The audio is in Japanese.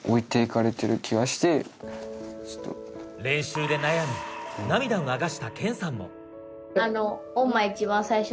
練習で悩み涙を流したケンさんも。